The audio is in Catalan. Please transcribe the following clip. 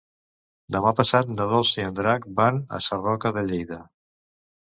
Demà passat na Dolça i en Drac van a Sarroca de Lleida.